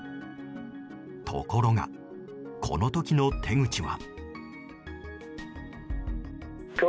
ところが、この時の手口は。